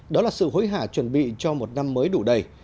đó là sự hối hả chuẩn bị cho một năm mới đủ đầy